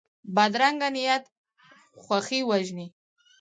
بدرنګه نیت خوښي وژني